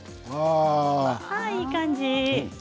いい感じ。